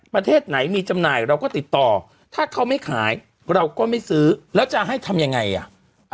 ประเทศไหนมีจำหน่ายเราก็ติดต่อถ้าเขาไม่ขายเราก็ไม่ซื้อแล้วจะให้ทำยังไงอ่ะ